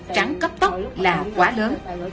trắng cấp tóc là quá lớn